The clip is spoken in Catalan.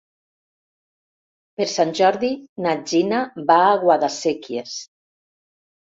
Per Sant Jordi na Gina va a Guadasséquies.